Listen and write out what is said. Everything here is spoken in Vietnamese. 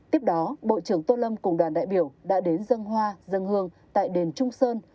tiếp đó bộ trưởng tô lâm cùng đoàn đại biểu đã đến dân hoa dân hương tại đền trung sơn